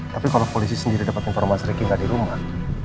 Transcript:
tapi kalau polisi sendiri dapet informasi ricky ga ada di rumah